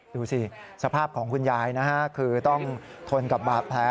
ดูสิสภาพของคุณยายนะฮะคือต้องทนกับบาดแผล